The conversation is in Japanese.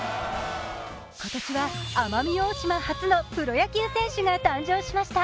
今年は奄美大島初のプロ野球選手が誕生しました。